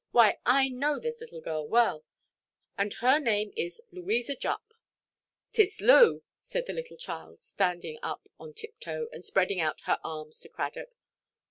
Why, I know this little girl well; and her name is Louisa Jupp." "Tiss Loo," said the little child, standing up on tiptoe, and spreading out her arms to Cradock.